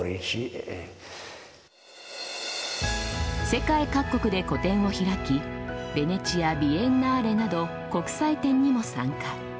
世界各国で個展を開き、ヴェネチア・ビエンナーレなど国際展にも参加。